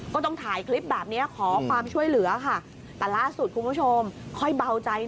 ก็มาถึงเลยครับ